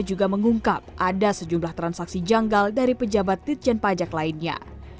juga mengungkap ada sejumlah transaksi janggal dari pejabat dirjen pajak lainnya